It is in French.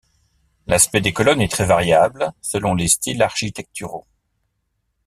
L'aspect des colonnes est très variable selon les styles architecturaux.